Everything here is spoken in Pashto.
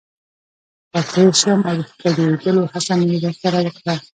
ور تیر شوم او د ښکلېدلو هڅه مې ورسره وکړه.